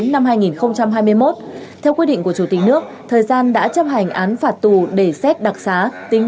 năm hai nghìn hai mươi một theo quy định của chủ tịch nước thời gian đã chấp hành án phạt tù để xét đặc xá tính